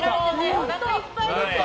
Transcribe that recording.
おなかいっぱいですよ！